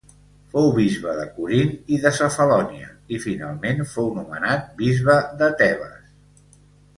Fou bisbe de Corint i de Cefalònia, i finalment fou nomenat bisbe de Tebes.